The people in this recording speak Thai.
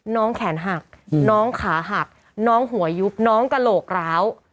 น้องแขนหักน้องขาหักน้องหัวยุบน้องกระโหลกร้าว